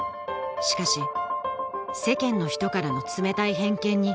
「しかし世間の人からのつめたい偏見に」